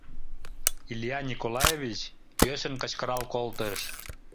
— Илья Николаевич йӧсын кычкырал колтыш.